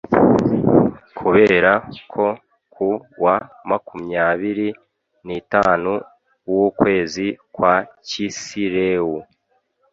kubera ko ku wa makumyabiri n'itanu w'ukwezi kwa kisilewu